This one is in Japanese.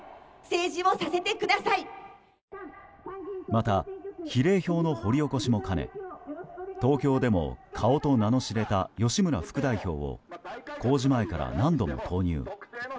また比例票の掘り起こしも兼ね東京でも顔と名の知れた吉村副代表を公示前から、何度も投入。